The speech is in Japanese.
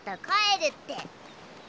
帰るって。